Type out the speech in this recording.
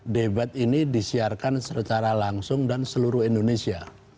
debat ini disiarkan secara langsung dan seluruh indonesia